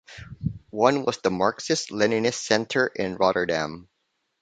One was the Marxist-Leninist Centre in Rotterdam.